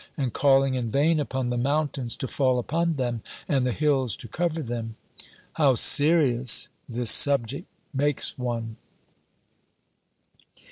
and calling in vain upon the mountains to fall upon them, and the hills to cover them! How serious this subject makes one!